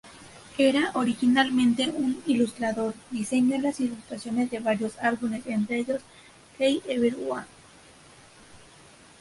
Era originalmente un ilustrador, diseñó las ilustraciones de varios álbumes, entre ellos "Hey Everyone!